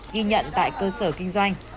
ghi nhận tại cơ sở kinh doanh